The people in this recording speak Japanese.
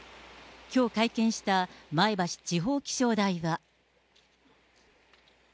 きょう会見した、前橋地方気象台は。